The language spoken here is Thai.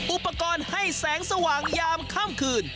อุปกรณ์ให้แสงสว่างยามค่ำคืน